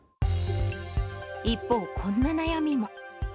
一方、こんな悩みも。